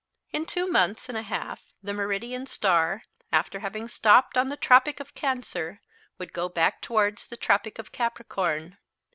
In two months and a half the meridian star, after having stopped on the Tropic of Cancer, would go back towards the Tropic of Capricorn.